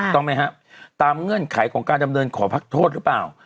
ต้องไหมครับตามเงื่อนไขของการดำเนินขอพักโทษหรือเปล่า